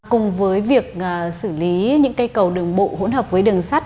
cùng với việc xử lý những cây cầu đường bộ hỗn hợp với đường sắt